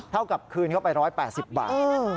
เท่ากับคืนเข้าไป๑๘๐บาท